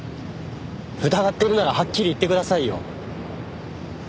疑ってるならはっきり言ってくださいよ。